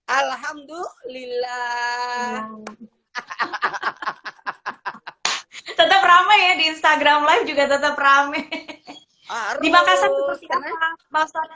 alhamdulillah tetap ramai ya di instagram live juga tetap rame di makassar